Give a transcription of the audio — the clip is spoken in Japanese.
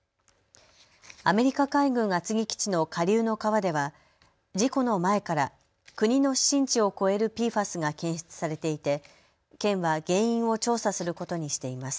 アメリカ海軍厚木基地の下流の川では事故の前から国の指針値を超えるＰＦＡＳが検出されていて県は原因を調査することにしています。